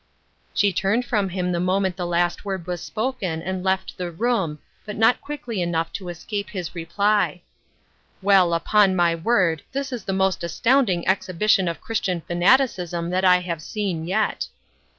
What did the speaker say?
She turned from him the moment the last word was spoken and left the room, but not quickly enough to escape his reply, — "Well, upon my word, this is the most astound ing exhibition of Christian fanaticism that I have seen yet."